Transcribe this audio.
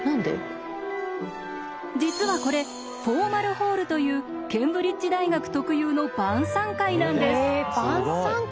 実はこれフォーマルホールというケンブリッジ大学特有の晩さん会なんです！